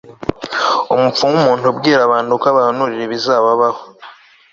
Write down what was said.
umupfumu umuntu ubwira abantu ko abahanurira ibizababaho